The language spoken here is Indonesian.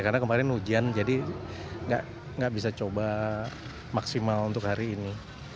karena kemarin hujan jadi nggak bisa coba maksimal untuk hari ini